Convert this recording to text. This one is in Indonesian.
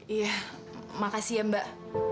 iya makasih ya mbak